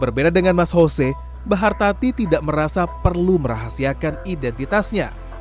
berbeda dengan mas hose bak hartati tidak merasa perlu merahasiakan identitasnya